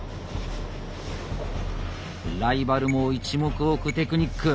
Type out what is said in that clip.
ライバルも一目置くテクニック。